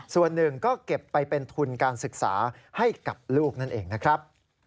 ส่วนหนึ่งก็เก็บไปเป็นทุนการศึกษาให้กับลูกนั่นเองนะครับ